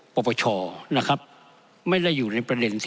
กับนี้ก็เวลาที่สอง